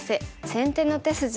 先手の手筋」。